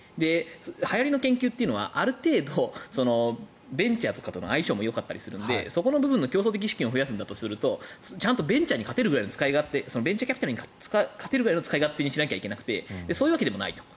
はやりの研究というのはある程度ベンチャーとかとの相性もよかったりするのでそこの部分の競争的資金を増やすんだとするとちゃんとベンチャーに勝てるぐらいの使い勝手にしないといけなくてそういうわけでもないと。